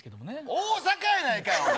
大阪やないかい！